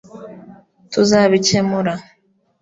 tuzabikemura